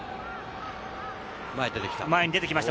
前に出てきた。